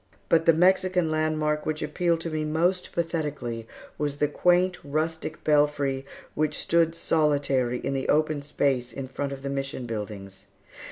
But the Mexican landmark which appealed to me most pathetically was the quaint rustic belfry which stood solitary in the open space in front of the Mission buildings.